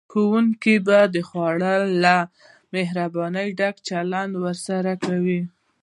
ښوونکي به خورا له مهربانۍ ډک چلند ورسره کوي